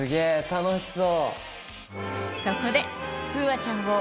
楽しそう！